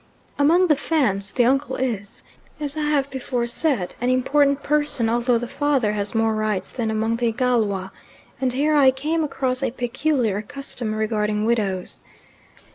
Among the Fans the uncle is, as I have before said, an important person although the father has more rights than among the Igalwa, and here I came across a peculiar custom regarding widows.